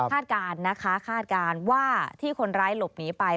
การนะคะคาดการณ์ว่าที่คนร้ายหลบหนีไป